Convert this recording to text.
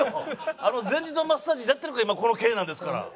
あの全自動マッサージやってるから今この毛なんですから。